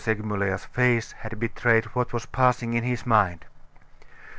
Segmuller's face had betrayed what was passing in his mind.